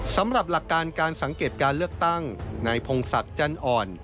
สำหรับหลักการการสังเกตการเลือกตั้งนายพงศักดิ์จันอ่อน